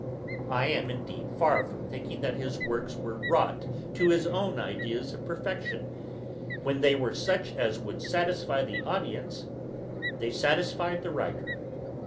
I am indeed far from thinking, that his works were wrought to his own ideas of perfection; when they were such as would satisfy the audience, they satisfied the writer.